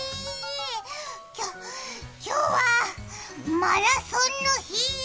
きょ、今日はマラソンの日！